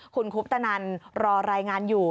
คุณคุปตนันรอรายงานอยู่